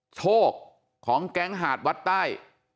โชคของแก๊งหาดวัดใต้